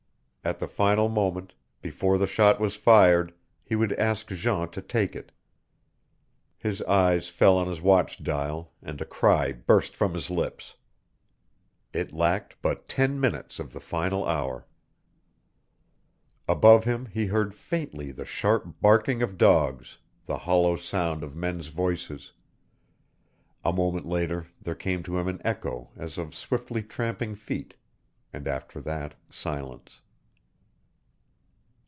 At the final moment, before the shot was fired, he would ask Jean to take it. His eyes fell on his watch dial and a cry burst from his lips. It lacked but ten minutes of the final hour! Above him he heard faintly the sharp barking of dogs, the hollow sound of men's voices. A moment later there came to him an echo as of swiftly tramping feet, and after that silence.